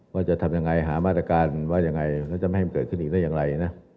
ว่าจะทำยังไงหามาตรการว่ายังไงแล้วจะไม่ให้มันเกิดขึ้นอีกได้อย่างไรนะ